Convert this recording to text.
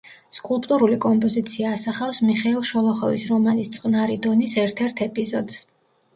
სკულპტურული კომპოზიცია ასახავს მიხეილ შოლოხოვის რომანის წყნარი დონის ერთ-ერთ ეპიზოდს.